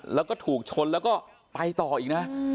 แล้วก็ถูกชนแล้วก็ไปต่ออีกนะ